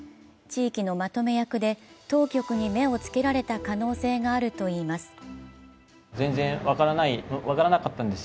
地域のまとめ役で、当局に目をつけられた可能性があるといいます。